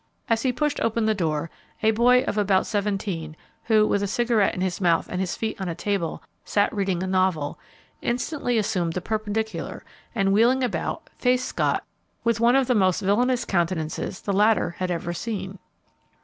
As he pushed open the door, a boy of about seventeen, who, with a cigarette in his mouth and his feet on a table, sat reading a novel, instantly assumed the perpendicular and, wheeling about, faced Scott with one of the most villainous countenances the latter had ever seen.